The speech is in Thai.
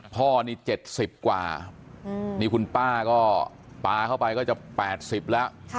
พ่อนี่๗๐กว่านี่คุณป้าก็ปลาเข้าไปก็จะ๘๐แล้ว